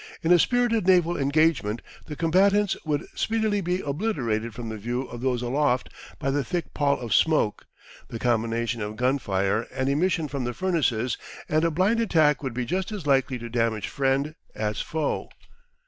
In a spirited naval engagement the combatants would speedily be obliterated from the view of those aloft by the thick pall of smoke the combination of gun fire and emission from the furnaces and a blind attack would be just as likely to damage friend as foe.